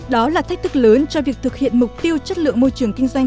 đó là thách thức lớn cho việc thực hiện mục tiêu chất lượng môi trường kinh doanh